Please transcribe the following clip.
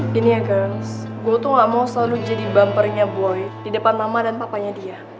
gini ya kan gue tuh gak mau selalu jadi bumpernya boy di depan mama dan papanya dia